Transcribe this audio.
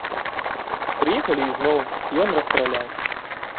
Прыехалі ізноў, ён расстраляў.